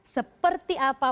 seperti apa politik